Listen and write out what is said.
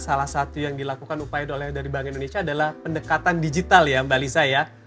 salah satu yang dilakukan upaya dari bank indonesia adalah pendekatan digital ya mbak lisa ya